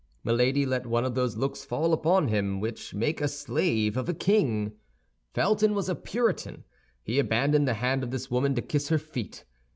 Milady let one of those looks fall upon him which make a slave of a king. Felton was a Puritan; he abandoned the hand of this woman to kiss her feet.